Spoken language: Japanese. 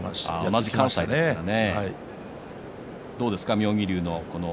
同じ関西ですしね。